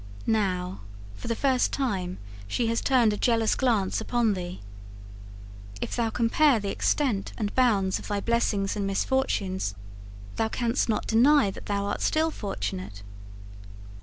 Now for the first time she has turned a jealous glance upon thee. If thou compare the extent and bounds of thy blessings and misfortunes, thou canst not deny that thou art still fortunate.